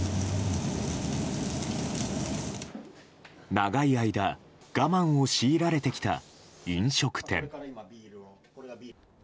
長い間我慢を強いられてきた飲食店。